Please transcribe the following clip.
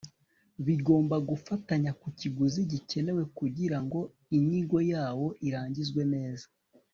bigomba gufatanya ku kiguzi gikenewe kugira ngo inyigo yawo irangizwe neza